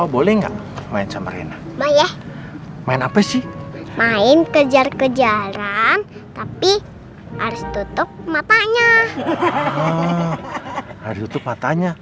boleh nggak main sama rena boleh main apa sih main kejar kejaran tapi harus tutup matanya